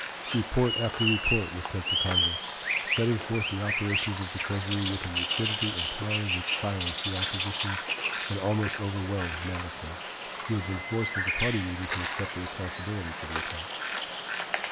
Report after report was sent to Congress, setting forth the operations of the Treasury with a lucidity and power which silenced the opposition and almost overwhelmed Madison, who had been forced as a party leader to accept the responsibility for the attacks.